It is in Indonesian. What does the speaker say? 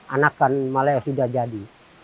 anakan maleo sudah jadi